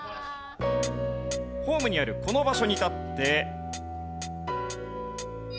ホームにあるこの場所に立って。